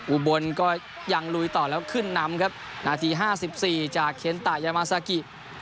อุบลก็ยังลุยต่อแล้วขึ้นนำครับนาทีห้าสิบสี่จากเคนตะยามาซากิ